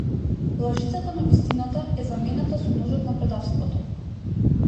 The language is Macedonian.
Лажицата на вистината е заменета со ножот на предавството!